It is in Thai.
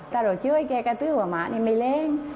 ถ้าเราช่วยเคยก็ถือว่าหมานี่ไม่เลี้ยง